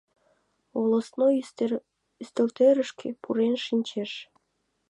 Волостной ӱстелтӧрышкӧ пурен шинчеш.